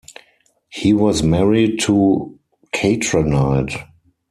He was married to Katranide.